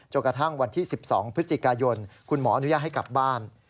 กระทั่งวันที่๑๒พฤศจิกายนคุณหมออนุญาตให้กลับบ้าน